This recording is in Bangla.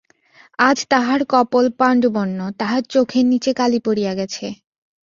আজ তাহার কপোল পাণ্ডুবর্ণ, তাহার চোখের নীচে কালি পড়িয়া গেছে।